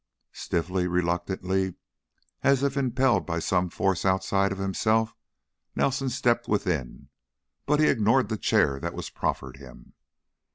Stiffly, reluctantly, as if impelled by some force outside of himself, Nelson stepped within, but he ignored the chair that was proffered him.